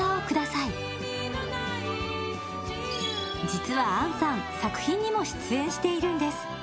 実は杏さん、作品にも出演しているんです。